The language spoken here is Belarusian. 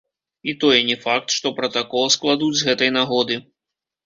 І тое не факт, што пратакол складуць з гэтай нагоды.